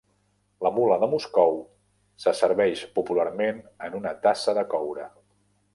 La mula de Moscow se serveix popularment en una tassa de coure.